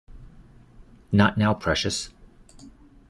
Not now, precious.